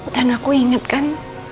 dan aku inget kan